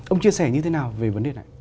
ông chia sẻ như thế nào về vấn đề này